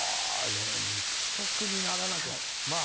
肉食にならなきゃ。